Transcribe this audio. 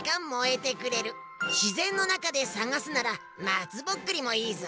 しぜんのなかでさがすならまつぼっくりもいいぞ。